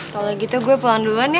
kalau gitu gue pulang duluan ya